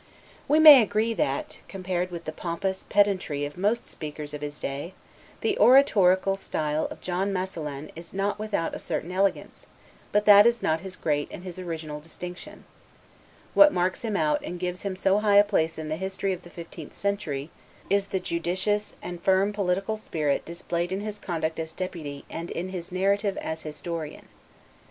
We may agree that, compared with the pompous pedantry of most speakers of his day, the oratorical style of John Masselin is not without a certain elegance, but that is not his great and his original distinction; what marks him out and gives him so high a place in the history of the fifteenth century, is the judicious and firm political spirit displayed in his conduct as deputy and in his narrative as historian.